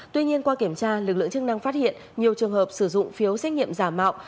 tuy nhiên qua kiểm tra lực lượng chức năng phát hiện nhiều trường hợp sử dụng phiếu xét nghiệm giả mạo